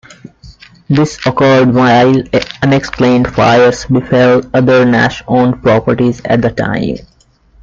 This occurred while unexplained fires befell other Nash-owned properties at the time.